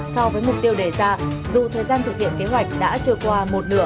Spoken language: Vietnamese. so với mục tiêu đề ra dù thời gian thực hiện kế hoạch đã trôi qua một nửa